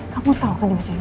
kamu tau kan dia masih kecil